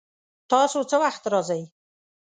تاسو څه وخت راځئ؟